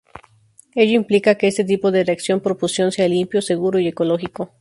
Ello implica que este tipo de reacción, por fusión, sea limpio, seguro y ecológico.